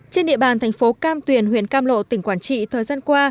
trên địa bàn thành phố cam tuyền huyện cam lộ tỉnh quảng trị thời gian qua